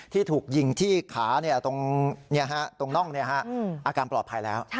ที่ถูกยิงที่ขาตรงน่องอาการปลอดภัยแล้ว